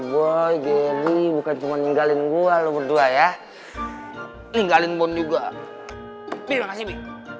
hasil gue jadi bukan cuma ninggalin gua lu berdua ya tinggalin bond juga bilang asli